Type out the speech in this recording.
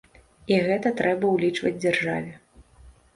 І гэта трэба ўлічваць дзяржаве.